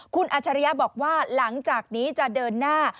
คุณอัชริยะบอกว่าหลังจากนี้จะเดินหน้า